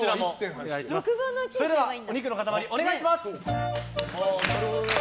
それではお肉の塊お願いします！